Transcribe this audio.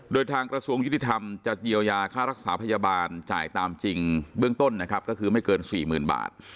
โดยทางกระทรวงยุติธรรมจะเยียวยาค่ารักษาพยาบาลจ่ายตามจริงเบื้องต้นนะครับก็คือไม่เกิน๔๐๐๐บาท